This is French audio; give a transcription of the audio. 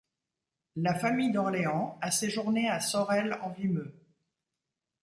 La famille d'Orléans a séjourné à Sorel-en-Vimeu.